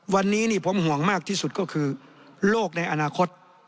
วันนี้ผมห่วงมากที่สุดก็คือโลกในอนาคต